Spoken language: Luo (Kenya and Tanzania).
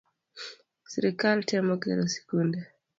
Sirkal temo gero sikunde